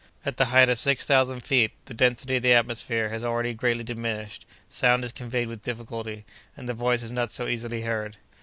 At the height of six thousand feet, the density of the atmosphere has already greatly diminished; sound is conveyed with difficulty, and the voice is not so easily heard.